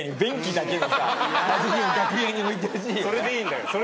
それでいいんだよ。